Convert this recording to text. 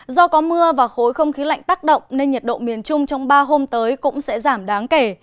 do có mưa và khối không khí lạnh tác động nên nhiệt độ miền trung trong ba hôm tới cũng sẽ giảm đáng kể